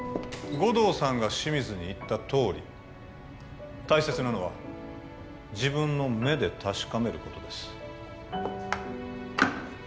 護道さんが清水に言ったとおり大切なのは自分の目で確かめることです